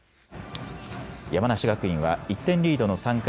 山梨学院は１点リードの３回。